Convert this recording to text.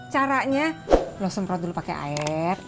caranya lo semprot dulu pakai air